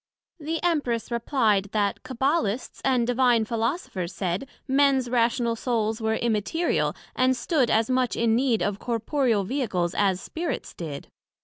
The Empress replied, That Cabbalists and Divine Philosophers said, Mens rational Souls were Immaterial, and stood as much in need of corporeal Vehicles, as Spirits did.